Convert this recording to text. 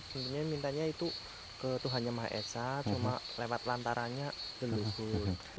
sebenarnya minta itu ke tuhannya maha esa cuma lewat lantarannya ke leluhur